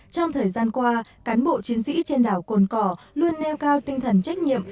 trong thời gian qua cán bộ chiến sĩ trên đảo cồn cỏ luôn nêu cao tinh thần trách nhiệm